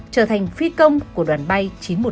trở thành phi công của đoàn bay chín trăm một mươi chín